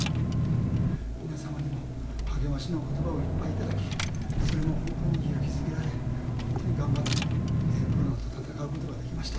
皆様にも励ましのおことばをいっぱい頂き、それも本当に勇気づけられ、本当に頑張ってコロナと闘うことができました。